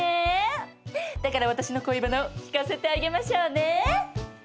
だから私の恋バナを聞かせてあげましょうね。